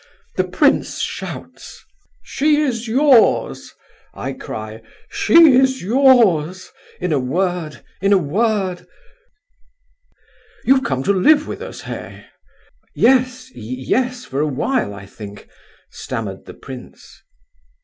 The prince shouts, 'She is yours;' I cry, 'She is yours—' in a word, in a word—You've come to live with us, hey?" "Yes—yes—for a while, I think," stammered the prince.